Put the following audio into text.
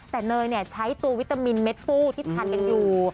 แต่เนยใช้ตัววิตามินเม็ดฟู้ที่ทานกันอยู่